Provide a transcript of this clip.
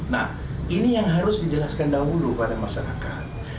nah ini yang harus dijelaskan dahulu pada masyarakat